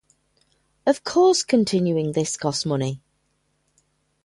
Of course, continuing this costs money.